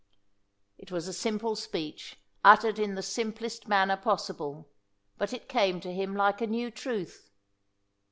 It was a simple speech, uttered in the simplest manner possible, but it came to him like a new truth.